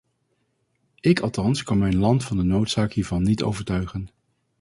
Ik althans kan mijn land van de noodzaak hiervan niet overtuigen.